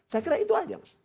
saya kira itu aja mas